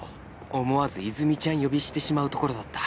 思わず「和泉ちゃん」呼びしてしまうところだった